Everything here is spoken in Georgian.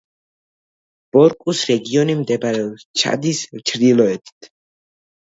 ბორკუს რეგიონი მდებარეობს ჩადის ჩრდილოეთით.